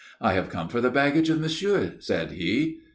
"I have come for the baggage of monsieur," said he.